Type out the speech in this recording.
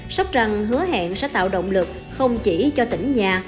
sóc trăng hứa hẹn sẽ tạo động lực không chỉ cho tỉnh nhà